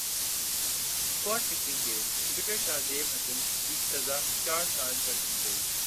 spot fixing case cricketer Shahzeb Hasan کی سزا چار سال کر دی گئی